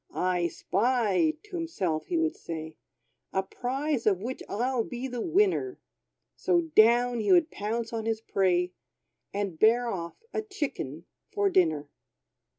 "I spy," to himself he would say, "A prize of which I'll be the winner!" So down would he pounce on his prey, And bear off a chicken for dinner.